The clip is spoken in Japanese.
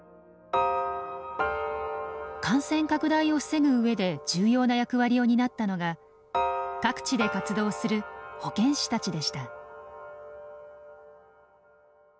感染拡大を防ぐ上で重要な役割を担ったのが各地で活動する保健師たちでした。